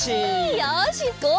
よしごう